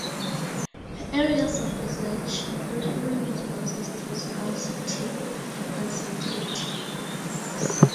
Her areas of research include human responses to scarcity and uncertainty.